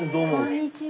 こんにちは。